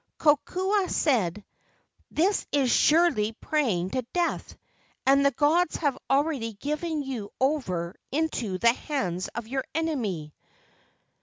Kokua said: "This is surely praying to death, and the gods have already given you over into the hands of your enemy.